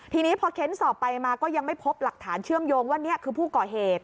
ทีนี้พอเค้นสอบไปมาก็ยังไม่พบหลักฐานเชื่อมโยงว่านี่คือผู้ก่อเหตุ